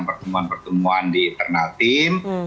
pertemuan pertemuan di internal tim